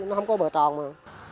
nó không có bờ tròn mà